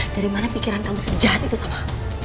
dari mana pikiran kamu sejati itu sama